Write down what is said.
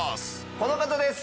この方です。